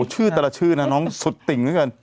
ชื่อแต่ละชื่อน่ะน้องสุดติ่ง